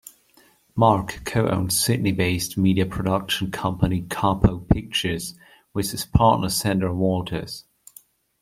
Mark co-owns Sydney based media production company Kapow Pictures with his partner Sandra Walters.